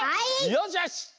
よしよし！